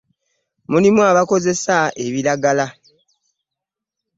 Mulimu abakozesa ebiragala.